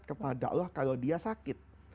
kepada allah kalau dia sakit